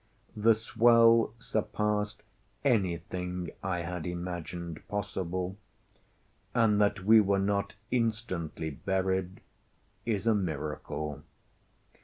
The swell surpassed anything I had imagined possible, and that we were not instantly buried is a miracle.